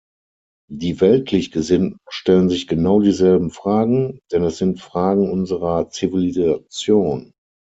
Die weltlich Gesinnten stellen sich genau dieselben Fragen, denn es sind Fragen unserer Zivilisation.